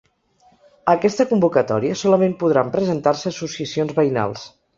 A aquesta convocatòria solament podran presentar-se associacions veïnals.